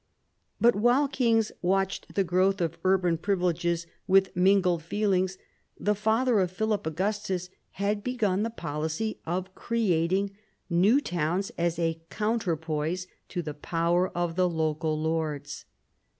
But while kings watched the growth of urban privileges with mingled feelings, the father of Philip Augustus had begun the policy of creating new towns as a counterpoise to the power of the local lords.